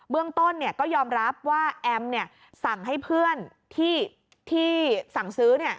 เบื้องต้นเนี่ยก็ยอมรับว่าแอมเนี่ยสั่งให้เพื่อนที่สั่งซื้อเนี่ย